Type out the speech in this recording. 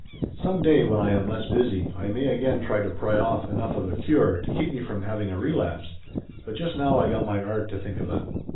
Some day when I am less busy I may again try to pry off enough of a cure to keep me from having a relapse, but just now I got my art to think about."